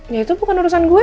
ya itu bukan urusan gue